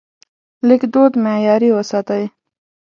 لیکدود معیاري وساتئ.